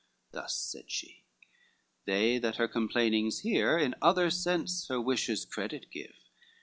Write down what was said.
Thus said she, they that her complainings hear In other sense her wishes credit give.